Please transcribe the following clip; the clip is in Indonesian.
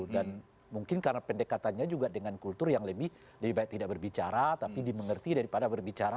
dan mungkin karena pendekatannya juga dengan kultur yang lebih baik tidak berbicara tapi dimengerti daripada berbicara